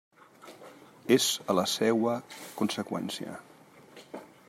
És la seua conseqüència.